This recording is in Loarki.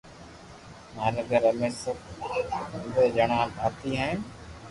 ماري گھر امي سب پندھري ھڻا ڀاتي ھين